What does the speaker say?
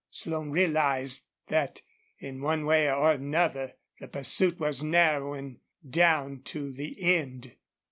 Slone realized that in one way or another the pursuit was narrowing down to the end.